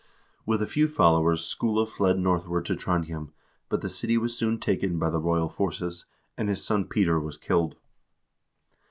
With a few followers Skule fled northward to Trondhjem, but the city was soon taken by the royal forces, and his son Peter was killed.